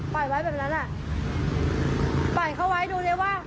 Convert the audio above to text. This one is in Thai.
ปล่อยไว้แบบนั้นแหละปล่อยเขาไว้ดูดิว่า